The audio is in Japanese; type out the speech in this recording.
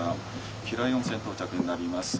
平湯温泉到着になります。